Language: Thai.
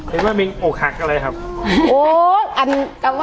เห็นว่ามินอกหักอะไรครับ